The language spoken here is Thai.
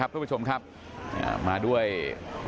มาด้วยรถตู้แวนสีขาพนิคคุณอนุทินชาญวิลกูร์